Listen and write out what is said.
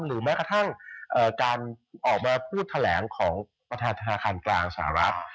แม้กระทั่งการออกมาพูดแถลงของประธานธนาคารกลางสหรัฐ